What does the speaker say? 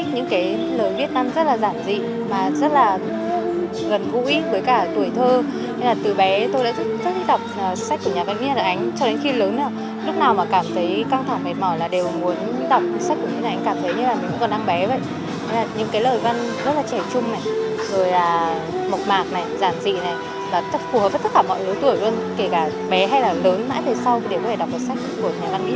những lời văn rất là trẻ trung mộc mạc giản dị phù hợp với tất cả mọi người tuổi luôn kể cả bé hay lớn mãi về sau để có thể đọc một sách của nhà văn đi